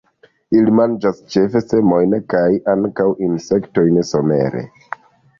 Ili manĝas ĉefe semojn, kaj ankaŭ insektojn somere.